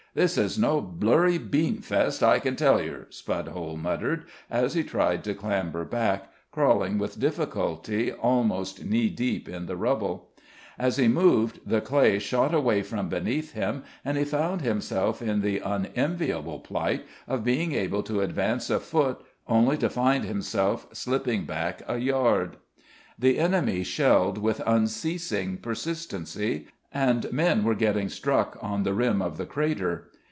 "This is no blurry bean fast, I can tell yer," Spudhole muttered as he tried to clamber back, crawling with difficulty almost knee deep in the rubble. As he moved the clay shot away from beneath him, and he found himself in the unenviable plight of being able to advance a foot, only to find himself slipping back a yard. The enemy shelled with unceasing persistency, and men were getting struck on the rim of the crater.